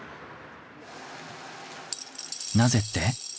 なぜって？